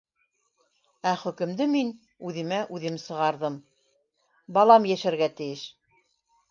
Ә хөкөмдө мин... үҙемә үҙем сығарҙым: балам йәшәргә тейеш.